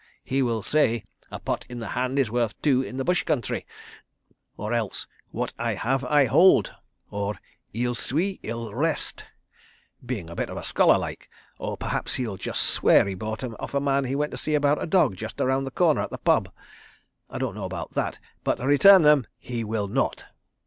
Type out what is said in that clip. He will say, 'A pot in the hand is worth two in the bush country,' or else 'What I have I hold,' or 'Ils suis, ils reste'—being a bit of a scholar like—or perhaps he'll just swear he bought 'em off a man he went to see about a dog, just round the corner, at the pub. I don't know about that—but return them he will not.